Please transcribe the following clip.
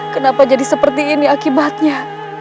kenapa jadi seperti ini akibatnya